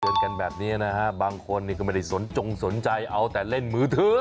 เกิดตื่นกันแบบนี้นะฮะบางคนไม่ได้จงสนใจเอาแต่เล่นมือถือ